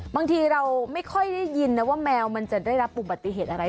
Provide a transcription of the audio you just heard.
บางทีเราไม่ได้ค่อยยินว่าแมวจะได้รับอุปติเหตุอะไร